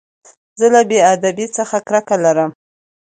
زه له بېادبۍ څخه کرکه لرم.